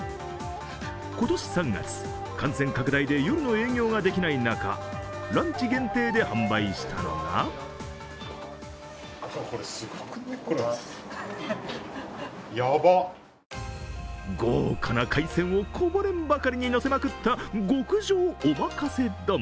今年３月、感染拡大で夜の営業ができない中、ランチ限定で販売したのが豪華な海鮮をこぼれんばかりにのせまくった極上おまかせ丼。